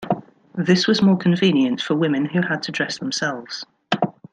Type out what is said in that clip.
This was more convenient for women who had to dress themselves.